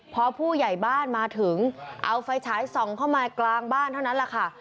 พอผู้ใหญ่บ้านมาถึงเอาไฟฉายส่องเข้ามากลางบ้านเท่านั้นแหละค่ะ